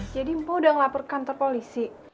jadi mpo udah ngelapor ke kantor polisi